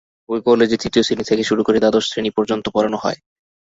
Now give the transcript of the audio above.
ওই কলেজে তৃতীয় শ্রেণি থেকে শুরু করে দ্বাদশ শ্রেণি পর্যন্ত পড়ানো হয়।